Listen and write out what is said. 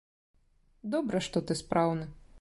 Добра, што ты спраўны.